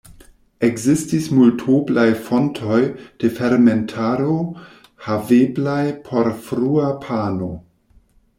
Ekzistis multoblaj fontoj de fermentado haveblaj por frua pano.